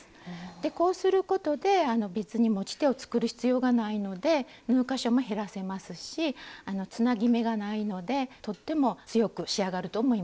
こうすることで別に持ち手を作る必要がないので縫う箇所も減らせますしつなぎ目がないのでとっても強く仕上がると思います。